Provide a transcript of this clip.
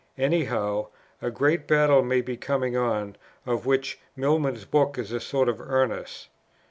Any how, a great battle may be coming on, of which Milman's book is a sort of earnest.